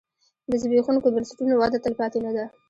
د زبېښونکو بنسټونو وده تلپاتې نه ده.